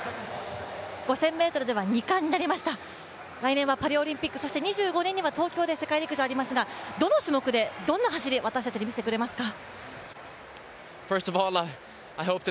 ５０００ｍでは２冠になりました、来年はパリオリンピック、そして２５年には東京で世界陸上ありますが、どの種目でどんな走り、私たちに見せてくれますか。